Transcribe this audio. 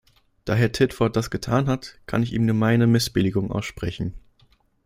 Da Herr Titford das getan hat, kann ich ihm nur meine Missbilligung aussprechen.